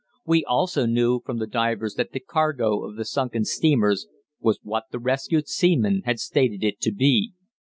We also knew from the divers that the cargo of the sunken steamers was what the rescued seamen had stated it to be.